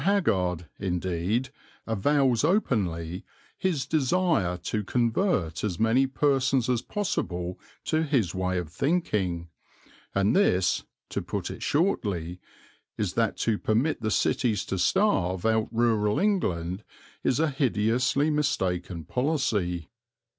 Haggard, indeed, avows openly his desire to convert as many persons as possible to his way of thinking, and this, to put it shortly, is that to permit the cities to starve out rural England is a hideously mistaken policy.